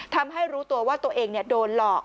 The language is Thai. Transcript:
ทำให้รู้ตัวว่าตัวเองโดนหลอก